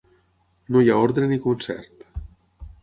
No hi ha ordre ni concert.